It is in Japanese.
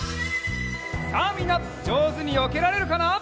さあみんなじょうずによけられるかな？